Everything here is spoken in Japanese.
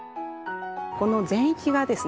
この全域がですね